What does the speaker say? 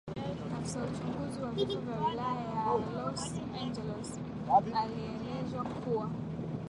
Afisa uchunguzi wa vifo wa Wilaya ya Los Angeles alielezwa kuwa